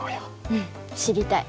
うん知りたい。